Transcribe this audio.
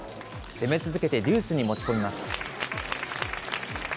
攻め続けてデュースに持ち込みます。